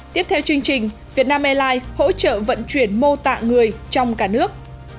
tiếp theo chương trình việt nam airlines hỗ trợ vận chuyển mô tạ người trong cả nước